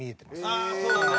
ああそうね。